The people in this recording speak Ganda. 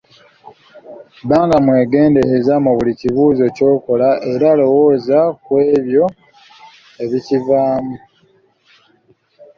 Banga mwegendereza mu buli kisuubizo ky'okola era lowooza ku ebyo ebikivaamu.